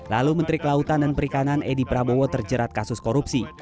lalu menteri kelautan dan perikanan edi prabowo terjerat kasus korupsi